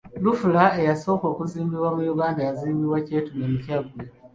Lufula eyasooka okuzimbibwa mu Uganda yazimbibwa Kyetume mu Kyaggwe.